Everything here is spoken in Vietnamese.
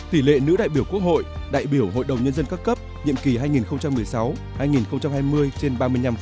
tỷ lệ nữ đại biểu quốc hội đại biểu hội đồng nhân dân các cấp nhiệm kỳ hai nghìn một mươi sáu hai nghìn hai mươi trên ba mươi năm